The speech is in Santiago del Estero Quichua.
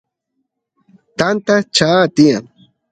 tanta chaa tiyan